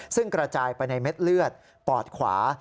ซึ่งกระจายไปในเม็ดเลือดปอดขวา